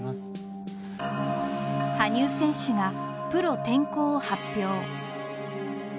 羽生選手がプロ転向を発表。